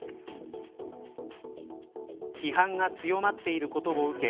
批判が強まっていることを受け